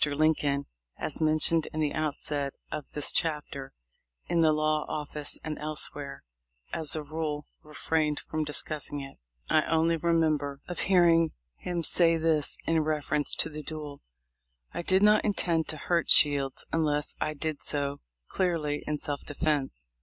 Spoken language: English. Lincoln, as mentioned in the outset of this chapter, in the law office and elsewhere, as a rule, refrained from discussing it. I only remember of hearing him say this, in reference to the duel : "I did not intend to hurt Shields unless I did so clearly in self defense.